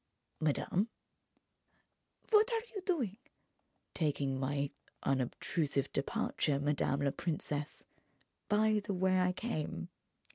"Madame?" "What are you doing?" "Taking my unobtrusive departure, madame la princesse, by the way I came."